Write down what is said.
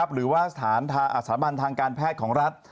หรือว่าสถานบันทางการแพทย์ของรัฐ